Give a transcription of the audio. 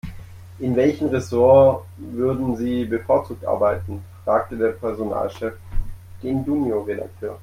In welchem Ressort würden Sie bevorzugt arbeiten?, fragte der Personalchef den Junior-Redakteur.